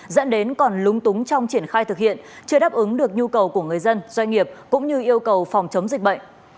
dẫn đến còn lúng túng trong triển khai thực hiện chưa đáp ứng được nhu cầu của người dân doanh nghiệp cũng như yêu cầu phòng chống dịch bệnh